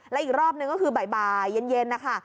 และอีกรอบนึงก็คือบ่ายเย็นนะคะ